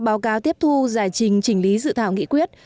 báo cáo tiếp thu giải trình chỉnh lý dự thảo nghị quyết